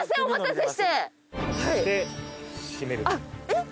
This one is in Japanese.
えっ！？